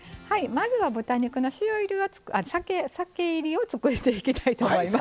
まずは豚肉の塩いりをあ酒いりを作っていきたいと思います。